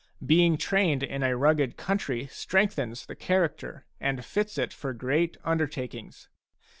Being trained in a rugged country strengthens the character and fits it for great undertakings.